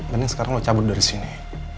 dan yang sekarang lo cabut dari sini